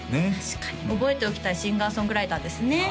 確かに覚えておきたいシンガー・ソングライターですね